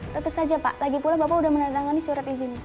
tetap saja pak lagipula bapak sudah menandatangani surat izinnya